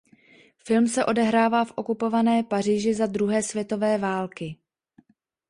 Film se odehrává v okupované Paříži za druhé světové války.